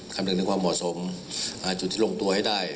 คำนึงถึงความเหมาะสมจุดที่ลงตัวให้ได้